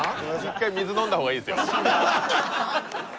一回水飲んだほうがいいですよ。